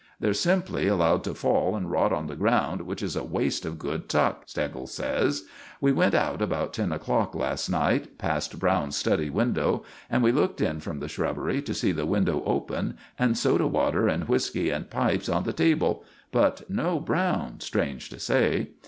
They're simply allowed to fall and rot on the ground, which is a waste of good tuck, Steggles says. We went out about ten o'clock last night, past Browne's study window; and we looked in from the shrubbery to see the window open, and soda water and whiskey and pipes on the table; but no Browne, strange to say.